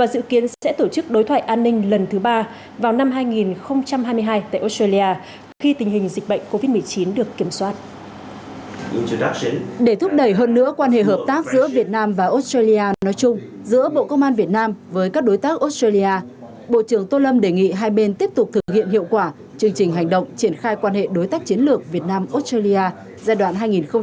để thúc đẩy hơn nữa quan hệ hợp tác giữa việt nam và australia nói chung giữa bộ công an việt nam với các đối tác australia bộ trưởng tô lâm đề nghị hai bên tiếp tục thực hiện hiệu quả chương trình hành động triển khai quan hệ đối tác chiến lược việt nam australia giai đoạn hai nghìn hai mươi hai nghìn hai mươi một